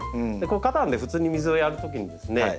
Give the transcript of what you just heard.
花壇で普通に水をやるときにですね